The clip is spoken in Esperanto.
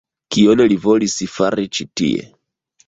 Kion li volis fari ĉi tie?